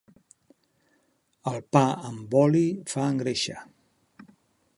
El pa amb oli fa engreixar.